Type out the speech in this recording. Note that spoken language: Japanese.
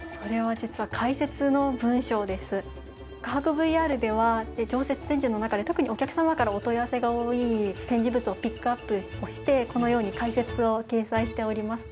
ＶＲでは常設展示の中で特にお客様からお問い合わせが多い展示物をピックアップをしてこのように解説を掲載しております。